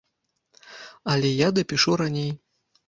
Але я дапішу раней.